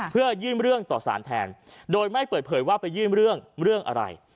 เพื่อยื่นเรื่องต่อสารแทนโดยไม่เปิดเผยว่าไปยื่นเรื่องเรื่องอะไร